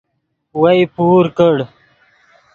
وئے پور کڑ